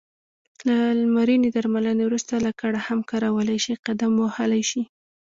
له لمرینې درملنې وروسته لکړه هم کارولای شې، قدم وهلای شې.